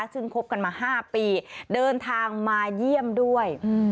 ซึ่งคบกันมา๕ปีเดินทางมาเยี่ยมด้วย